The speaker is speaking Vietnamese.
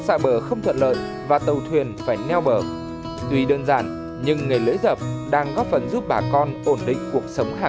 xin chào và hẹn gặp lại các bạn trong những video tiếp theo